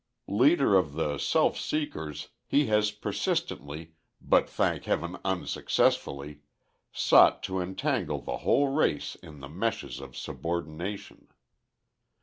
Leader of the self seekers, he has persistently, but thank heaven unsuccessfully, sought to entangle the whole race in the meshes of subordination.